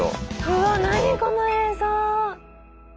うわ何この映像！